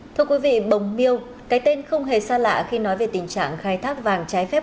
thưa quý vị bồng miêu cái tên không hề xa lạ khi nói về tình trạng khai thác vàng trái phép